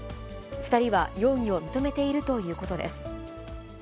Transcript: ２人は容疑を認めているということです。